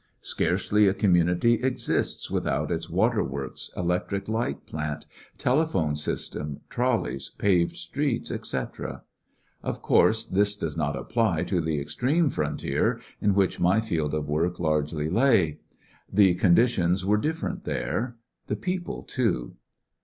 Scarcely a community exists with out its water works, electric light plant, tele phone system, trolleys, paved streets, etc. Of course, this does not apply to the extreme frontier, in which my field of work largely 166 'f}/lissionarY in tP^ Great West lay. The conditions were different there— the people, too.